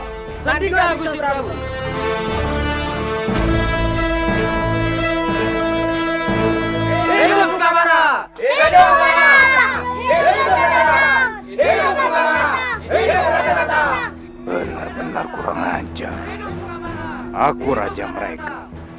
hai sedih agustin pramu ini bukan mana itu benar benar kurang ajar aku raja mereka